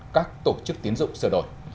các tổ chức tín dụng sửa đổi